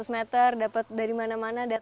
enam ratus meter dapat dari mana mana datang lagi